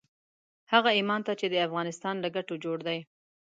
هغه ايمان ته چې د افغانستان له ګټو جوړ دی.